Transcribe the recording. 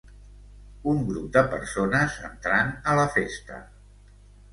Un grup de persones entrant a la festa.